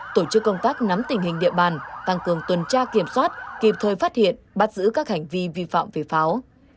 tổ chức công tác nắm tình hình địa bàn tăng cường tuần tra kiểm soát kịp thời phát hiện bắt giữ các hành vi vi phạm về pháo